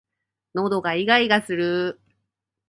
喉がいがいがする